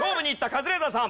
カズレーザーさん。